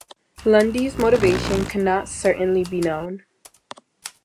Lundy's motivation cannot certainly be known.